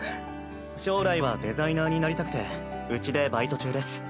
将来はデザイナーになりたくてうちでバイト中です。